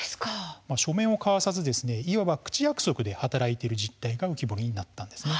書面を交わさずいわば口約束で働いている実態が浮き彫りになったんです。